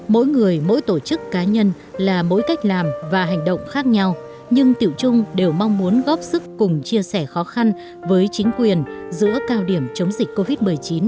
mỗi người mỗi tổ chức cá nhân là mỗi cách làm và hành động khác nhau nhưng tiểu chung đều mong muốn góp sức cùng chia sẻ khó khăn với chính quyền giữa cao điểm chống dịch covid một mươi chín